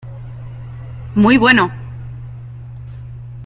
Muy bueno.